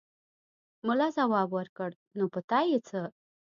ملا ځواب ورکړ: نو په تا يې څه!